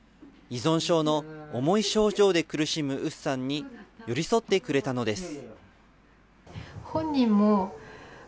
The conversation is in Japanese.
依存症の重い症状で苦しむＵＳＵさんに寄り添ってくれたのです。